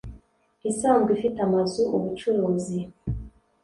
isanzwe ifite amazu ubucuruzi